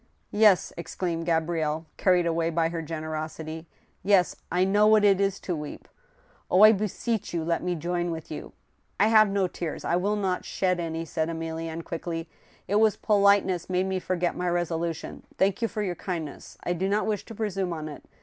" Yes," exclaimed Gabrielle, carried away by her generosity —" yes, I know what it is to weep. Oh ! I beseech you, let me join with you —"" I have no tears — I will not shed any," said EmiKenne, quickly. "It was politeness made me forget my resolution— thank you for your kindness. I do not wish to presume on it.